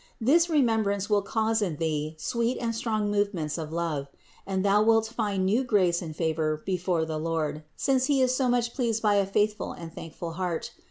This remem brance will cause in thee sweet and strong movements of love; and thou wilt find new grace and favor before the Lord, since He is so much pleased by a faithful and thankful heart.